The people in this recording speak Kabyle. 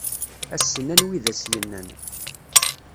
Ass-n anwi i d as-yennan.